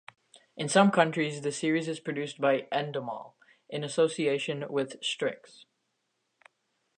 In some countries the series is produced by Endemol, in association with Strix.